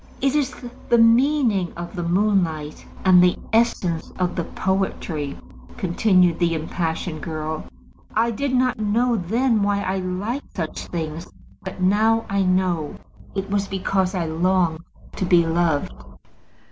"It is the meaning of the moonlight, and the essence of the poetry," continued the impassioned girl. "I did not know then why I liked such things, but now I know. It was because I longed to be loved."